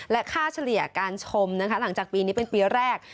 และค่าเฉลี่ยการชมนะคะหลังจากปีนี้เป็นปีแรก